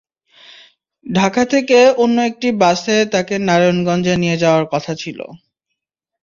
ঢাকা থেকে অন্য একটি বাসে তাঁকে নারায়ণগঞ্জে নিয়ে যাওয়ার কথা ছিল।